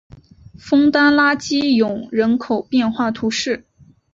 枫丹拉基永人口变化图示